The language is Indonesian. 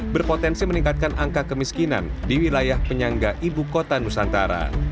berpotensi meningkatkan angka kemiskinan di wilayah penyangga ibu kota nusantara